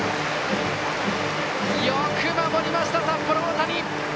よく守りました、札幌大谷！